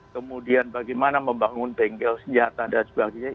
kemudian bagaimana membangun bengkel senjata dan sebagainya